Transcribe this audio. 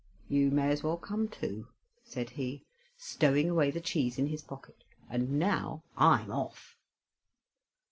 "You may as well come, too," said he, stowing away the cheese in his pocket, "and now I'm off."